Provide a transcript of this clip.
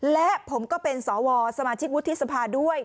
และผมก็เป็นสวสมาชิกวุฒิสภาด้วย